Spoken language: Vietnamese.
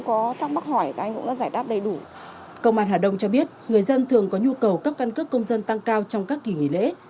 công an hà đông cho biết người dân thường có nhu cầu cấp căn cước công dân tăng cao trong các kỳ nghỉ lễ